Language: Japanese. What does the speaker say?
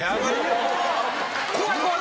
怖い怖い。